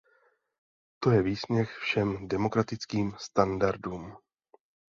To je výsměch všem demokratickým standardům.